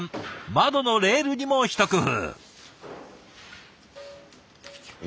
窓のレールにも一工夫。